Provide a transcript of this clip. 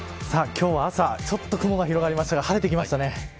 今日は朝、ちょっと雲が広がりましたが晴れてきましたね。